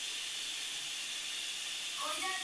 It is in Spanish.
Esta banda duró solo un concierto.